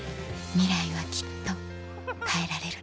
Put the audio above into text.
ミライはきっと変えられる